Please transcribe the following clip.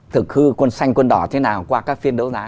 thực hư quân xanh quân đỏ thế nào qua các phiên đấu giá